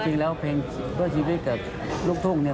จริงแล้วเพลงเพื่อชีวิตกับลูกทุ่งเนี่ย